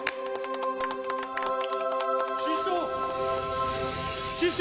・師匠！